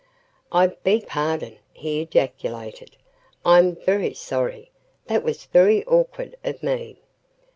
"I beg pardon," he ejaculated, "I'm very sorry. That was very awkward of me."